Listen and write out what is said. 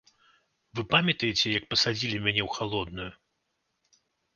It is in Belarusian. Вы памятаеце, як пасадзілі мяне ў халодную.